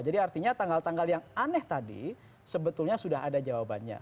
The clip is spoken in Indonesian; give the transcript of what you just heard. jadi artinya tanggal tanggal yang aneh tadi sebetulnya sudah ada jawabannya